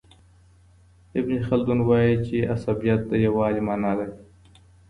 ابن خلدون وايي چي عصبیت د یووالي معنی لري.